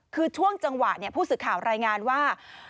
คือช่วงจังหวะผู้สื่อข่าวรายงานว่า